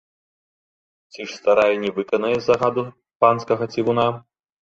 Ці ж старая не выканае загаду панскага цівуна?